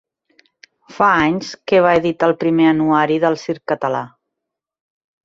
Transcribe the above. Fa anys que va editar el Primer Anuari del Circ Català.